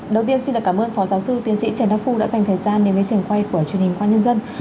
đầu tiên xin cảm ơn phó giáo sư tiến sĩ trần đắc phu đã dành thời gian đến với truyền quay của truyền hình quan nhân dân